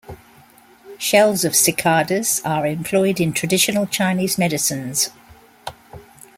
Shells of cicadas are employed in traditional Chinese medicines.